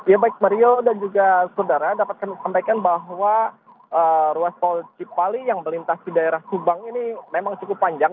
ya baik mario dan juga saudara dapat kami sampaikan bahwa ruas tol cipali yang melintasi daerah subang ini memang cukup panjang